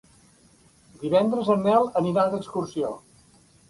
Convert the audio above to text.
Divendres en Nel anirà d'excursió.